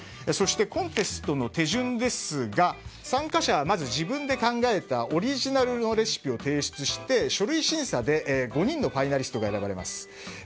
コンテストの手順ですが参加者は、まず自分で考えたオリジナルのレシピを提出して書類審査で５人のファイナリストが選ばれます。